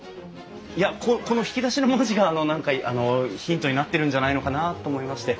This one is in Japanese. いやここの引き出しの文字があの何かあのヒントになってるんじゃないのかなと思いまして。